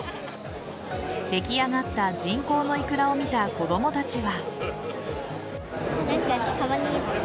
出来上がった人工のイクラを見た子供たちは。